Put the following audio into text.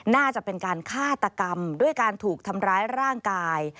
น่าจะเป็นการฆาตกรรมด้วยการถูกทำร้ายร่างกาย